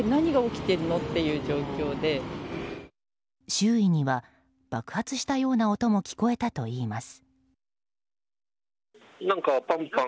周囲には爆発したような音も聞こえたといいます。